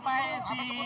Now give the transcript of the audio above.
ya kalau ada yang